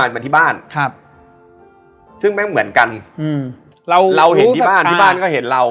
มาที่บ้านครับซึ่งไม่เหมือนกันอืมเราเราเห็นที่บ้านที่บ้านก็เห็นเรา